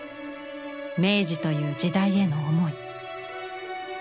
明治という時代への思い。